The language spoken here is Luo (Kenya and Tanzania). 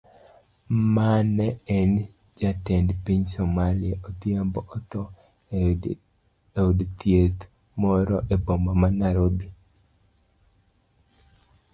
Mane en jatend piny Somalia Odhiambo otho eod thieth moro eboma ma Nairobi.